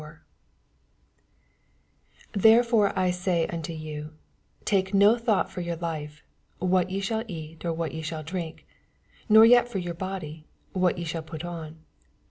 25 Therefore I Bay unto yon, take no thoaght for yoor life, what ye shaU eat, or what ye shall drink : nor yet for yoar body, what ye shaU pat on.